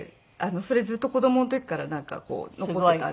それずっと子供の時からなんかこう残っていたんです。